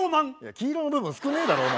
黄色の部分少くねえだろお前